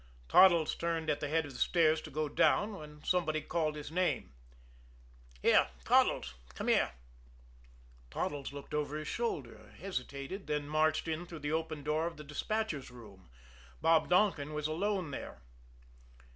Toddles turned at the head of the stairs to go down, when somebody called his name. "Here Toddles! Come here!" Toddles looked over his shoulder, hesitated, then marched in through the open door of the despatchers' room. Bob Donkin was alone there.